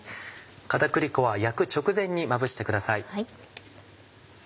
片栗粉は焼く直前にまぶしてください。